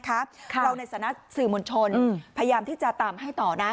เราในฐานะสื่อมวลชนพยายามที่จะตามให้ต่อนะ